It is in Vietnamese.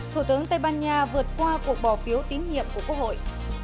thủ tướng tây ban nha vượt qua cuộc bỏ phiếu tín nhiệm của quốc hội